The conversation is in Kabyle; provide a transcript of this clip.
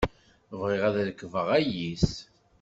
Bɣiɣ ad rekbeɣ ayis.